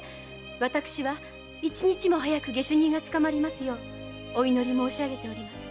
私は一日も早く下手人が捕まりますようお祈り申し上げております。